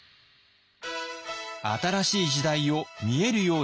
新しい時代を見えるようにする。